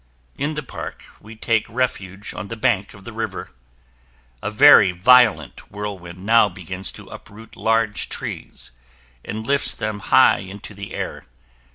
In the park, we take refuge on the bank of the river. A very violent whirlwind now begins to uproot large trees, and lifts them high into the air.